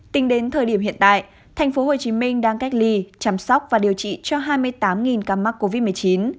tính đến thời điểm hiện tại thành phố hồ chí minh đang cách ly chăm sóc và điều trị cho hai mươi tám ca mắc covid một mươi chín